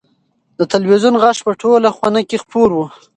د تلویزون غږ په ټوله خونه کې خپور و.